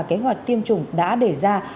kế hoạch tiêm chủng đã đề ra